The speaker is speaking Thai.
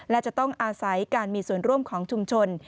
และจะต้องอาศัยการมีส่วนร่วมของชุมชน